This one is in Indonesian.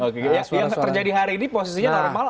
oke jadi yang terjadi hari ini posisinya normal